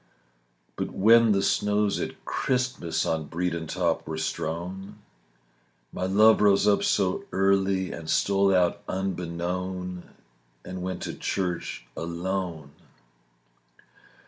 But when the snows at Christmas On Bredon top were strown, My love rose up so early And stole out unbeknown And went to church alone.